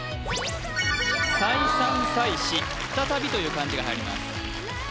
再三再四再びという漢字が入ります